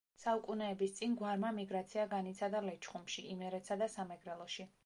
საუკუნეების წინ, გვარმა მიგრაცია განიცადა ლეჩხუმში, იმერეთსა და სამეგრელოში.